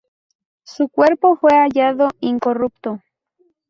Su cuerpo fue hallado incorrupto.